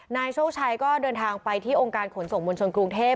นายโชคชัยก็เดินทางไปที่องค์การขนส่งมวลชนกรุงเทพ